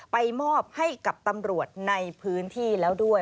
ไปมอบให้กับตำรวจในพื้นที่แล้วด้วย